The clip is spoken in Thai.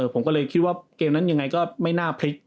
ผมก็เลยคิดว่าเกมนั้นยังไงก็ไม่น่าพลิก